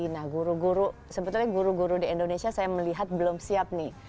nah guru guru sebetulnya guru guru di indonesia saya melihat belum siap nih